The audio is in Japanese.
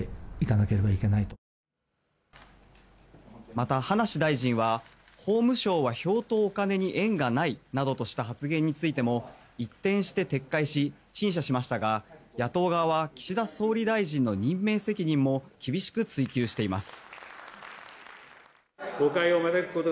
また、葉梨大臣は法務省は票とお金に縁がないなどとした発言についても一転して撤回し、陳謝しましたが野党側は岸田総理大臣の任命責任も厳しく追及しています。